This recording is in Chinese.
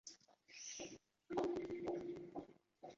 首都红卫兵纠察队。